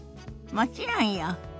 もちろんよ。